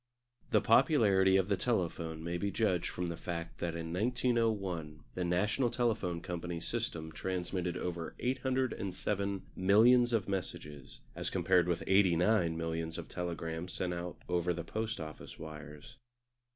The popularity of the telephone may be judged from the fact that in 1901 the National Telephone Company's system transmitted over 807 millions of messages, as compared with 89 millions of telegrams sent over the Post Office wires.